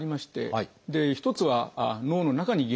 一つは脳の中に原因がある場合。